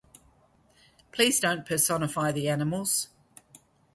Please don’t personify the animals.